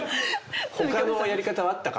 「ほかのやり方はあったか？」